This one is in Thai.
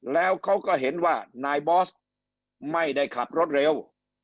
แล้วเขาก็เห็นว่านายบอสไม่ได้ขับรถเร็ว